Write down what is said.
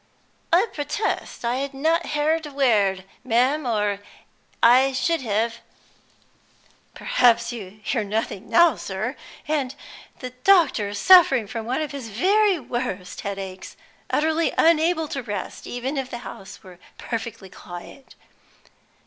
"I protest I had not heard a sound, ma'am, or I should have " "Perhaps you hear nothing now, sir, and the doctor suffering from one of his very worst headaches, utterly unable to rest even if the house were perfectly quiet!"